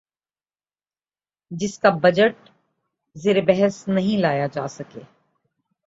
جس کا بجٹ زیربحث نہ لایا جا سکے